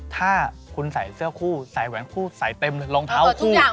ถ้าคุณใส่เสื้อคู่ใส่แหวนคู่ใส่เต็มเลยรองเท้าคู่